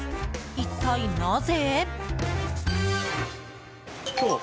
一体なぜ？